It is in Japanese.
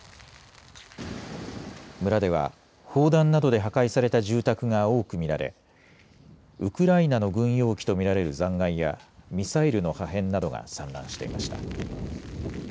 村では砲弾などで破壊された住宅が多く見られウクライナの軍用機と見られる残骸やミサイルの破片などが散乱していました。